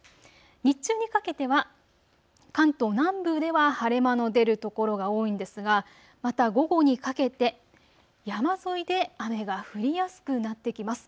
日中にかけては関東南部では晴れ間の出る所が多いんですが、また午後にかけて山沿いで雨が降りやすくなってきます。